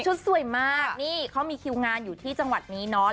สวยมากนี่เขามีคิวงานอยู่ที่จังหวัดนี้เนาะ